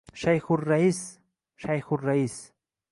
Shayxurrais, shayxurrais!